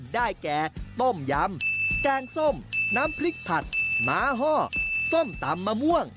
ได้แก่ต้มยำแกงส้มน้ำพริกผัดหมาห้อส้มตำมะม่วง